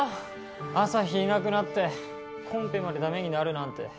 アサヒいなくなってコンペまで駄目になるなんて。